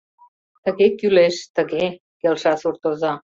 — Тыге кӱлеш, тыге, — келша суртоза.